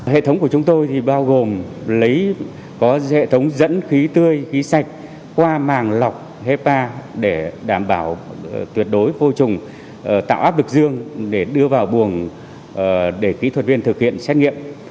hệ thống của chúng tôi bao gồm lấy có hệ thống dẫn khí tươi sạch qua màng lọc hepa để đảm bảo tuyệt đối vô trùng tạo áp lực dương để đưa vào buồng để kỹ thuật viên thực hiện xét nghiệm